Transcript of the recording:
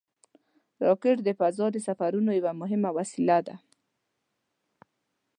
راکټ د فضا د سفرونو یوه مهمه وسیله ده